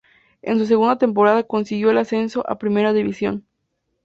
En su segunda temporada consiguió el ascenso a Primera División.